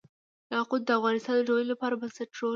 یاقوت د افغانستان د ټولنې لپاره بنسټيز رول لري.